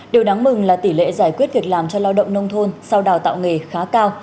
điều đáng mừng là tỷ lệ giải quyết việc làm cho lao động nông thôn sau đào tạo nghề khá cao